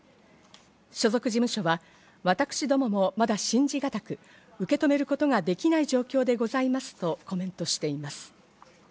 所属事務所は、私どももまだ信じがたく受け止めることができない状況でございますとコメントしています。